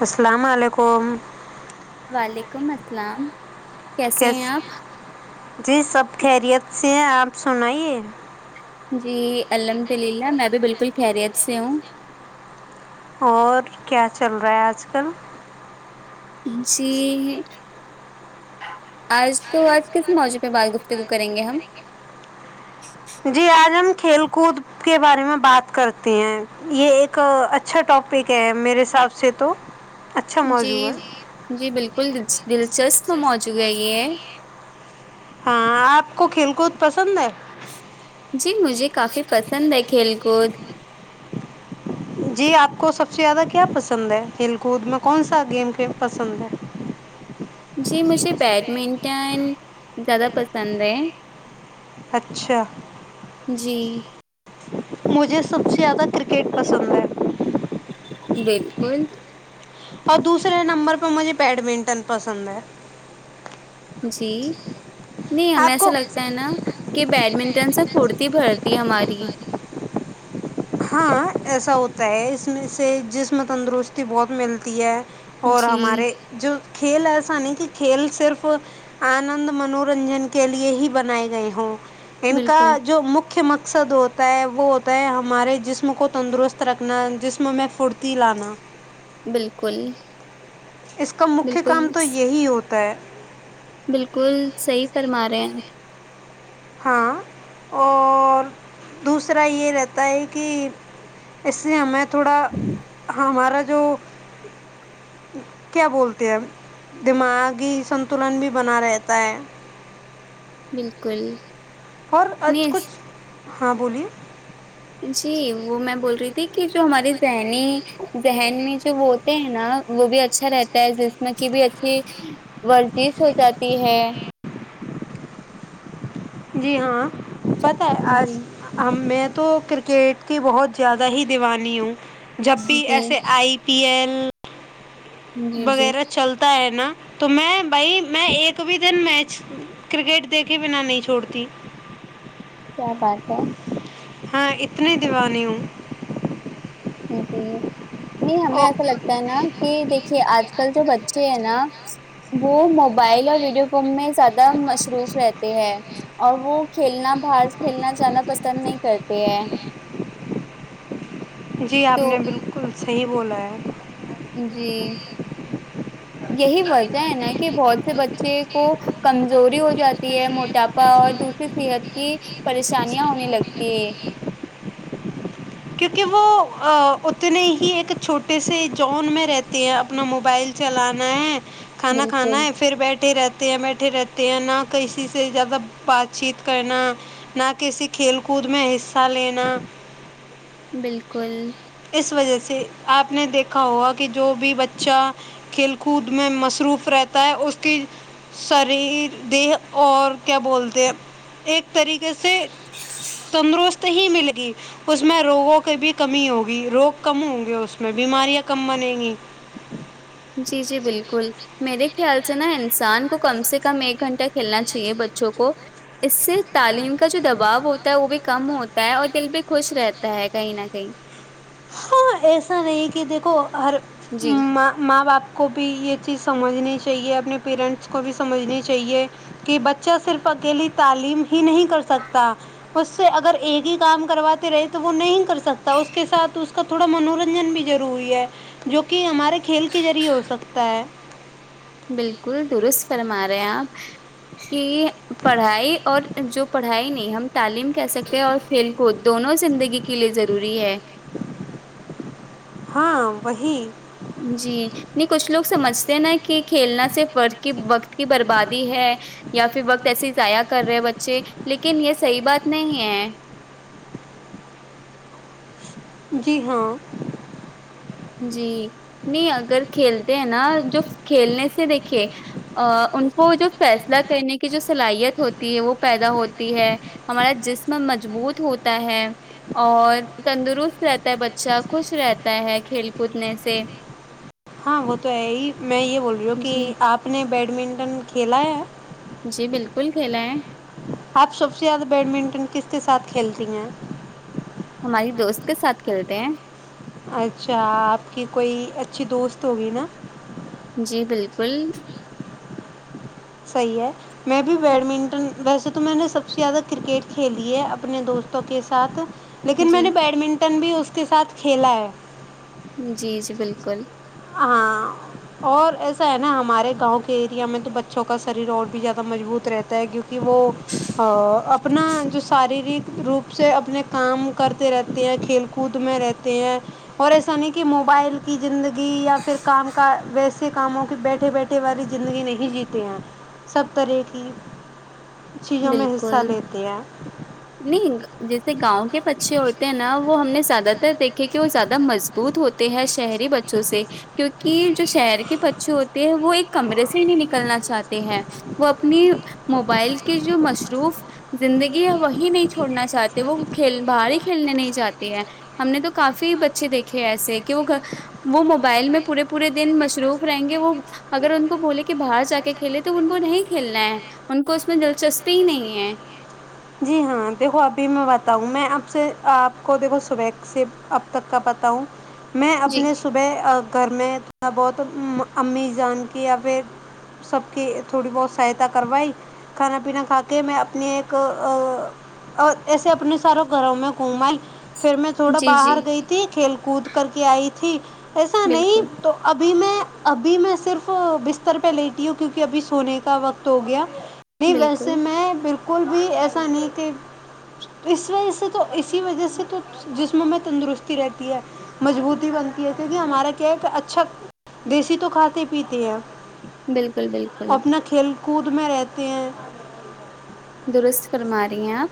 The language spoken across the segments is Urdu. اسلام علیکم وعلیکم اسلام کیسے ہیں اپ جی سب خیریت سے ہیں آپ سنائیے جی الحمد للہ میں بھی بالکل خیریت سے ہوں اور کیا چل رہا ہے آج کل جیی آج تو آج کس ماوضوع پہ بات گفتاگو کریں گے ہم جی آج ہم کھیل کود کے بارے میں بات کرتے ہیں یہ ایک ا اچھا ٹاپک ہے میرے حساب سے تو اچھا جی موضوع ہے جی بالکل دی دلچسپ موجوع ہے یہ ہے ہاں آپ کو کھیل کود پسند ہے جی مجھے کافی پسند ہے کھیل کود جی آپ کو سب سے زیادہ کیا پسند ہے کھیل کود میں کون سا گیم گیم پسند ہے جی مجھے بیڈمنٹن زیادہ پسند ہے اچھا جی مجھے سب سے زیادہ کرکٹ پسند ہے بلکل اور دوسرے نمبر پہ مجھے بیڈمنٹن پسند ہے جی نہیں ہمیں ایسا لگتا ہے نا کہ نا بیڈمنٹن سے پھرتی بھرتی ہماری ہاں ایسا ہوتا ہے اس میں سے جسم تندرستی بہت ملتی ہے اور جی ہمارے جو کھیل ایسا نہیں کہ کھیل صرف آنند منورنجن کے لیے ہی بنائے گئے ہوں کھیل کا بالکل جو مکھیہ مقصد ہوتا ہے وہ ہوتا ہے ہمارے جسم کو تندرست رکھنا جسم میں پھرتی لانا بلکل اس کا مکھیہ کام تو یہی ہوتا ہے بلکل صحیح فرما رہے ہیں ہاں اور دوسرا یہ رہتا ہے کہ اس سے ہمیں تھوڑا ہمارا جو کیا بولتے ہیں دماغی سنتولن بھی بنا رہتا ہے بالکل اور آج کچھ نہیں ہاں بولیے جی وہ میں بول رہی تھی کہ جو ہماری ذہنی ذہن میں جو ہوتے ہیں نا وہ بھی اچھا رہتا ہے جسم کی بھی اچھی ورزش ہو جاتی ہے جی ہاں پتا ہے آج جی ہم میں تو کرکٹ کی بہت زیادہ ہی دیوانی ہوں جب بھی جی ایسے آئی پی ایل جی جی وغیرہ چلتا ہے نا تو میں بھائی میں ایک بھی دن میچ کرکٹ دیکھے بنا نہیں چھوڑتی کیا بات ہے ہاں اتنی دیوانی ہوں جی نہیں ہمیں اور ایسا مجھے لگتا ہنا کہ اب دیکھیے آج لگتا ہے نا کل جو بچے ہیں نا وہ م موبائل اور ویڈیو فون میں زیادہ مصروف رہتے ہیں اور وہ کھیلنا باہر کھیلنا جانا پسند نہیں کرتے ہیں جی آپ نے تو بالکل صحیح بولا ہے جی یہی وجہ ہے نا کہ بہت سے بچے کو کمزوری ہو جاتی ہے موٹاپا اور دوسری صحت کی پریشانیاں ہونے لگتی ہے کیونکہ وہ اتنے ہی ایک چھوٹی سی جون میں رہتی ہیں اپنا موبائل چلانا ہے کھانا بالکل کھانا ہے پھر بیٹھی رہتی بیٹھی رہتی ہیں نہ کسی سے زیادہ بات چیت کرنا نہ کسی کھیل کود میں حصہ لینا بالکل اس وجہ سے آپ نے دیکھا ہوگا کہ جو بھی بچہ کھیل کود میں مصروف رہتا ہے اس کی شریر دیہ اور کیا بولتے ہیں ایک طریقے سے تندرست ہی مل گی اس میں روگوں کی بھی کمی ہو روگ کم ہوں گے اس میں بیماریاں کم بنیں گی جی جی بلکل میرے خیال سے نا انسان کو کم سے کم ایک گھنٹہ کھیلنا چاہیے بچوں کو اس سے تعلیم کا جو دباؤ ہوتا ہے وہ بھی کم ہوتا ہے اور دل بھی خوش رہتا ہے کہیں نہ کہیں ہاں ایسا نہیں کہ دیکھو ہر جی ما ما باپ کو بھی یہ چیز سمجھنی چاہیے اپنے پیرنٹس کو بھی سمجھنی چاہیے کہ بچہ صرف اکیلی تعلیم ہی نہیں کر سکتا اس سے اگر ایک ہی کام کرواتے رہے تو وہ نہیں کر سکتا اس کے ساتھ اس کا تھوڑا منورنجن بھی ضروری ہے جو کہ ہمارے کھیل کے ذریعے ہو سکتا ہے بالکل درست فرما رہے ہیں آپ کہ پڑھائی اور جو پڑھائی نہیں ہم تعلیم کہ سکتے اور کھیل کود دونوں زندگی کے لیے ضروری ہے ہاں وہی جی نہیں کچھ لوگ سمجھتے نا کہ کھیلنا صرف ور کی وقت کی بربادی ہے یا پھر وقت ایسے ہی ضائع کر رہے ہیں بچے لیکن یہ صحیح بات نہیں ہے جی ہاں جی نہیں اگر کھیلتے ہیں نا جو کھیلنے سے دیکھے ا ان کو جو فیصلہ کرنے کی جو صلاحیت ہوتی ہے وہ پیدا ہوتی ہے ہمارا جسم مضبوط ہوتا ہے اور تندرست رہتا ہے بچہ خوش رہتا ہے کھیل کودنے سے ہاں وہ تو ہے ہی میں یہ بول رہی ہوں کہ جی آپ نے بیڈمنٹن کھیلا ہے جی بالکل کھیلا ہے آپ سب سے زیادہ بیڈمنٹن کس کے ساتھ کھیلتی ہیں ہماری دوست کے ساتھ کھیلتے ہیں اچھا آپ کی کوئی اچھی دوست ہوگی نا جی بالکل صحیح ہے میں بھی بیڈمنٹن ویسے تو میں نے سب سے زیادہ کرکٹ کھیلی ہے اپنے دوستوں کے ساتھ لیکن میں جی نے بیڈمنٹن بھی اس کے ساتھ کھیلا ہے جی جی بالکل اہ اور ایسا ہے نا ہمارے گاؤں کے ایریا میں تو بچوں کا شریر اور بھی زیادہ مضبوط رہتا ہے کیک کہ وہ ا اپنا جو شارییرک روپ سے اپنے کام کرتے رہتے ہیں کھیل کود خود میں رہتے ہیں اور ایسا نہیں کہ موبائل کی زندگی گ یا پھر کام کا ویسے کاموں کی بیٹھے بیٹھے والی زندگی نہیں جیتے ہیں سب طرح کی چیزوں میں حصہ بالکل لیتے ہیں نہیں جیسے گاؤں کے بچے ہوتے ہیں نا وہ ہم نے زیادہ تر دیکیں کہ وہ زیادہ مضبوط ہوتے کیوں کی جو شہری بچوں سے کیونکہ جو شہر کے بچے ہو وہ ایک کمرے سے نہیں نکلنا چاہتے ہیں وہ اپنی موبائل کہ جو مصروف زندگی وہی نہیں چھوڑنا چاہتی وہ کھیل باہر ہی کھیلنے نہیں جاتے ہے ہم نے تو کافی بچے دیکھے ہیں ایسے کہ وہ گ وہ موبائل میں پورے پورے دن مصروف رہیں گے وہ اگر ان کو بولے کہ باہر جا کے کھیلے تو ان کو نہیں کھیلنا ہے ان کو اس میں دلچسپی ہی نہیں ہے جی ہاں دیکھو ابھی میں بتاؤں میں آپ سے آپ کو دیکھو صبیح سے اب تک کا بتاؤ میں جی اپنے صبح ا گھر میں تھوڑا بہت امی جان کی یا پھر سب کی تھوڑی بہت سہاتا کروائی کھانا پینا کھا کے میں اپنی ایک اور ایسے اپنے ساروں گھروں میں گ مل پھر میں تھوڑا جی جی باہر گئی تھی کھیل کود کر کے آئی تھی ایسا بالکل نہیں تو ابھی میں ابھی میں صرف بستر پہ لیتی ہوں کیونکہ ابھی سونے کا وقت ہو گیا نہیں بالکل ویسے میں بالکل بھی ایسا نہیں کہھی اس وجہ سے تو اسی وجہ سے تو جسم میں تندرستی رہتی ہے مضبوطی بنتی ہے کیونکہ ہمارا کیا ہے اچھا دیسی تو کھاتے پیتے ہیں بلکل بلکل اپنا کھیل کود میں رہتے ہیں درست فرما رہی ہیں آپ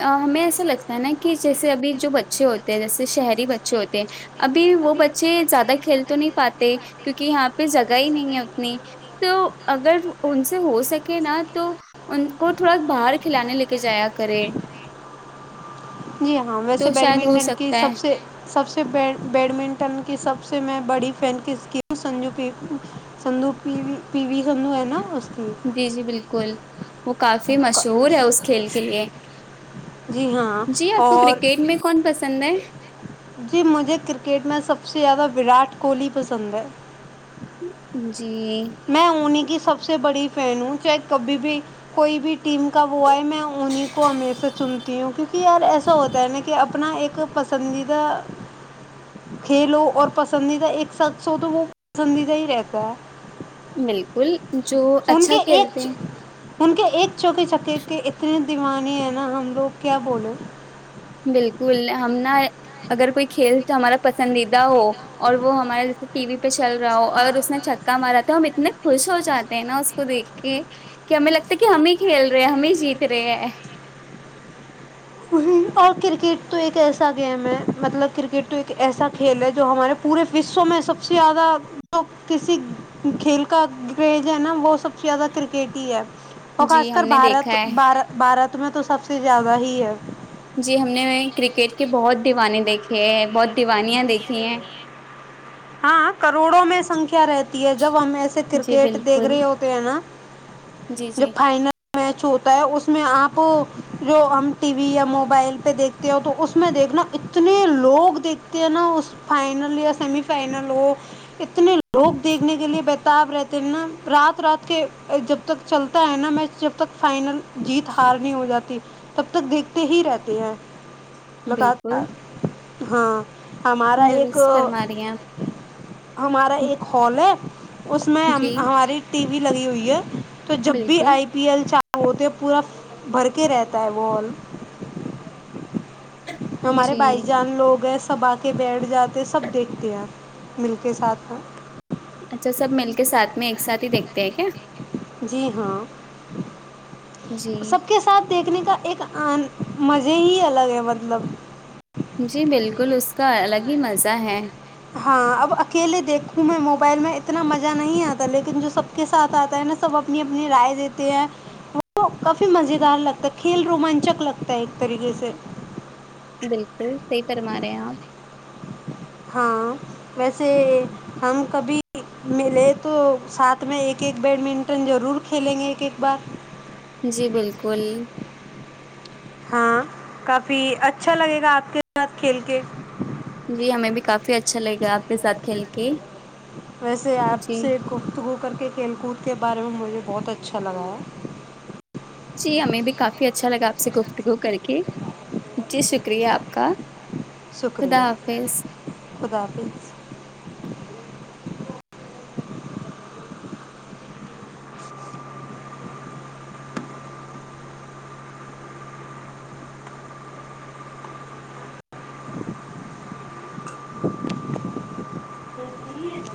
ہمیں ایسا لگتا ہے نا کہ جیسے ابھی جو بچے ہوتے ہیں جیسے شہری بچے ہوتے ہیں ابھی وہ بچے زیادہ کھیل تو نہیں پاتے کیونکہ یہاں پہ جگہ ہی نہیں ہے اتنی تو اگر ان سے ہو سکے نا تو ان کو تھوڑا باہر کھلانے لے کے جایا کرے جی ہاں ویسے تو شاید ہو بیڈمنٹن کی سکتا سب ہے سے سب سے بیڈمنٹن کی سب سے میں بڑی فین سنجو کی سندو پی پی وی سندو ہے نا اس کی جی جی بلکل وہ کافی مشہور ہے اس کھیل کے لیے جی ہاں جی آپ کو اور کرکٹ میں کون پسند ہے جی مجھے کرکٹ میں سب سے زیادہ وراٹ کوہلی پسند ہے جی میں انہیں کی سب سے بڑی فین ہوں چاہے کبھی بھی کوئی بھی ٹیم کا وہ ہے میں انہیں کو ہمیشہ چنتی ہوں کیونکہ یار ایسا ہوتا ہے نا کہ اب اپنا ایک پسندیدہ کھیلو اور پسندیدہ ایک ساتھ سو تو وہ پسندیدہ ہی رہتا ہے بلکل جو ان اچھا کے کھیلتے ایک ہیں ان کے ایک چوکے چکے کے اتنے دیوانی ہیں نا ہم لوگ کیا بولے بلکل ہم نا اگر کوئی کھیل تو ہمارا پسندیدہ ہو اور وہ ہمارے جیسے ٹی وی پہ چل رہا ہو اور اس میں چھکا مارا تھا ہم اتنے خوش ہو جاتے ہیں نا اس کو دیکھ کے کہ ہمیں لگتا ہے کہ ہمیں کھیل رہے ہیں ہمیں جیت رہے ہیں اور کرکٹ تو ایک ایسا گیم ہے مطلب کرکٹ تو ایک ایسا کھیل ہے جو ہمارے پورے وشو میں سب سے زیادہ جو کسی کھیل کا کریز ہے نا وہ سب سے زیادہ کرکٹ ہی ہے اور جی خاص ہم کر نے بھارت دیکھا ہے بار بھارت میں تو سب سے زیادہ ہی ہے جی ہم نے کرکٹ کے بہت دیوانے دیکھے ہیں بہت دیوانیاں دیکھی ہیں ہاں کروڑوں میں سنکھیا رہتی ہے جب ہم ایسے جی کرکٹ دیکھ بالکل رہی ہوتے ہیں نا جی جو جی فائنل میچ ہوتا ہے اس میں آپ جو ہم ٹی وی یا موبائل پہ دیکھتے ہو تو اس میں دیکھنا اتنے لوگ دیکھتے ہیں نا اس فائنل یا سیمی فائنل ہو اتنے لوگ دیکھنے کے لیے ب تب رہتے ہیں نا رات رات کے جب تک چلتا ہے نا میچ جب تک فائنل جیت ہار نہیں ہو جاتی تب تک دیکھتے ہی رہتے ہیں بالکل لگاتار ہاں ہمارا ایک درست فرما رہی ہیں ہمارا آپ ایک ہال ہے اس میں جی ہماری ٹی وی لگی ہوئی ہے تو جب بھی بالکل آئی پ پی ایل چار ہوتے پورا بھر کے رہتا ہے وہ ہمارے جی بھائی جان لوگ ہیں سب آ کے بیٹھ جاتے سب دیکھتے آپ مل کے ساتھ اچھا سب مل کے ساتھ میں ایک ساتھ دیکھتے ہیں کیا جی ہاں جی سب کے ساتھ دیکھنے کا ایک مزے ہی الگ ہے مطلب جی بلکل اس کا الگ ہی مزہ ہے ہاں اب اکیلے دیکھوں میں موبائل میں اتنا مزہ نہیں آتا لیکن جو سب کے ساتھ آتا ہے نا سب اپنی اپنی رائے دیتے ہیں وہ کافی مزے دار لگتا ہے کھیل رومانچک لگتا ہے ایک طریقے سے بلکل صحیح فرما رہے ہیں آپ ہاں ویسے ہم کبھی ملے تو ساتھ میں ایک ایک بیڈمنٹن ضرور کھیلیں گے ایک ایک بار جی بالکل ہاں کافی اچھا لگے گا آپ کے ساتھ کھیل کے جی ہمیں بھی کافی اچھا لگ گا آپ کے ساتھ کھیل کے ویسے آپ جی سے گفتگو کر کے کھیل کود کے بارے میں مجھے بہت اچھا لگا ہے جی ہمیں بھی کافی اچھا لگا اپ سے کو گو کر کے جی شکریہ آپ کا خدا شکریہ حافظ خدا حافظ تو